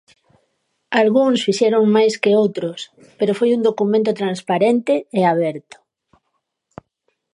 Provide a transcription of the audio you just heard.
Algúns fixeron máis que outros, pero foi un documento transparente e aberto.